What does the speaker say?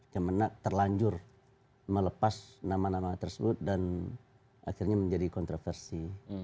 kemenang terlanjur melepas nama nama tersebut dan akhirnya menjadi kontroversi